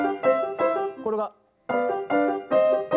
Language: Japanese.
これが。